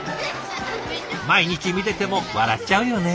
毎日見てても笑っちゃうよね。